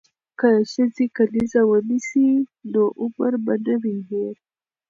که ښځې کلیزه ونیسي نو عمر به نه وي هیر.